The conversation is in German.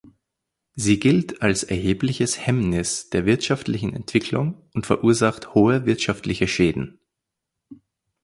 Sie gilt als erhebliches Hemmnis der wirtschaftlichen Entwicklung und verursacht hohe wirtschaftliche Schäden.